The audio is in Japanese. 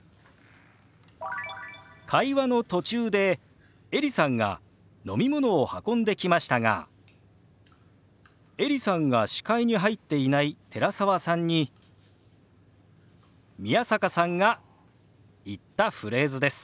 会話の途中でエリさんが飲み物を運んできましたがエリさんが視界に入っていない寺澤さんに宮坂さんが言ったフレーズです。